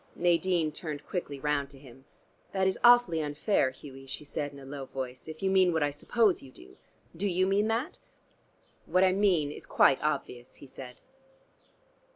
Nadine turned quickly round to him. "That is awfully unfair, Hughie," she said in a low voice, "if you mean what I suppose you do. Do you mean that?" "What I mean is quite obvious," he said.